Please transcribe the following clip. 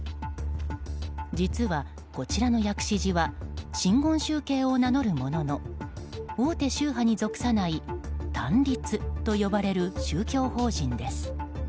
実は、こちらの薬師寺は真言宗系を名乗るものの大手宗派に属さない単立と呼ばれる宗教法人です。